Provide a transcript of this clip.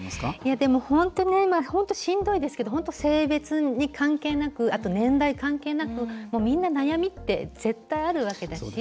でも、本当に今、しんどいですけど本当、性別、関係なく年代関係なく、みんな悩みって絶対あるわけだし。